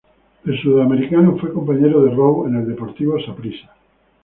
El suramericano fue compañero de Row en el Deportivo Saprissa.